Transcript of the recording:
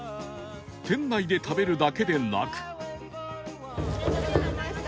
店内で食べるだけでなく